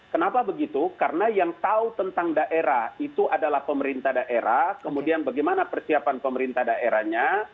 kenapa begitu karena yang tahu tentang daerah itu adalah pemerintah daerah kemudian bagaimana persiapan pemerintah daerahnya